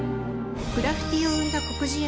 グラフィティを生んだ。